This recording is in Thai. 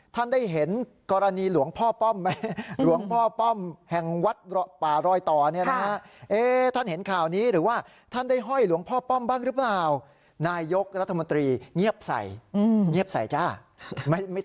ท่านได้เห็นกรณีหลวงพ่อป้อมไหม